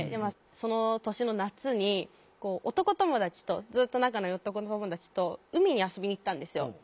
その年の夏に男友達とずっと仲のいい男友達と海に遊びに行ったんですよ。